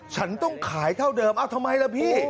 ฉันต้องขายเท่าเดิมเอ้าทำไมล่ะพี่